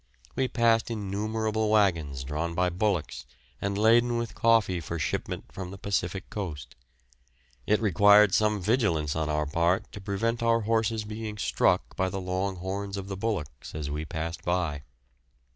We passed innumerable waggons drawn by bullocks and laden with coffee for shipment from the Pacific coast. It required some vigilance on our part to prevent our horses being struck by the long horns of the bullocks as we passed by.